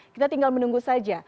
kita tinggal menunggu saja